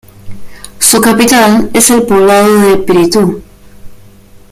Su capital es el poblado de Píritu.